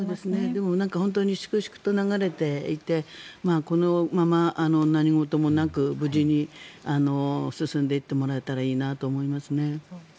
でも本当に粛々と流れていてこのまま何事もなく無事に進んでいってもらえたらいいなと思いますね。